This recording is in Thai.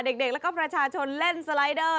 เด็กแล้วก็ประชาชนเล่นสไลเดอร์